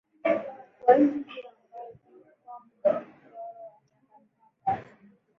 wa nchi hiyo ambao umekuwa mdororo kwa miaka mingi sasa